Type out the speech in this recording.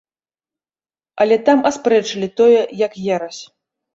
Але там аспрэчылі тое як ерась.